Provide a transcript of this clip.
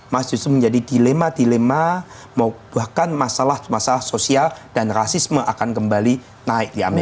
masih menjadi dilema dilema bahkan masalah sosial dan rasisme akan kembali naik di amerika